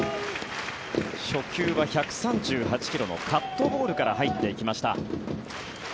初球は１３８ｋｍのカットボールから入っていきました。